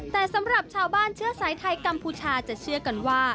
แต่สำหรับชาวบ้านเชื่อสายไทยกัมพูชาจะเชื่อกันว่า